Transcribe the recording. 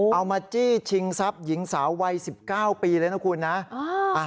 มาจี้ชิงทรัพย์หญิงสาววัย๑๙ปีเลยนะคุณนะ